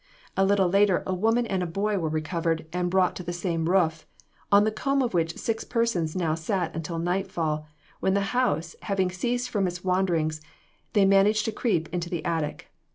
A little later a woman and a boy were recovered, and brought to the same roof, on the comb of which six persons now sat until nightfall, when the house having ceased from its wanderings, they managed to creep into the attic.